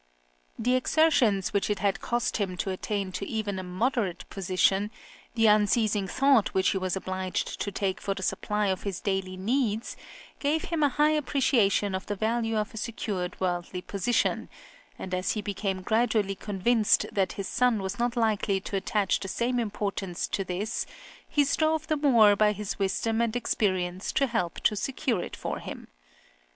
The exertions which it had cost him to attain to even a moderate position, the unceasing thought which he was obliged to take for the supply of his daily needs gave him {L. MOZART'S EARLY LIFE.} (7) a high appreciation of the value of a secured worldly position, and as he became gradually convinced that his son was not likely to attach the same importance to this, he strove the more by his wisdom and experience to help to secure it for him.